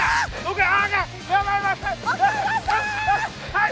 はい！